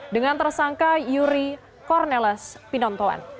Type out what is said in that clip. dengan tersangka yuri cornelis pinontolan